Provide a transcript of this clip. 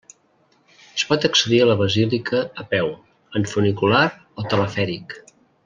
Es pot accedir a la basílica a peu, en funicular o telefèric.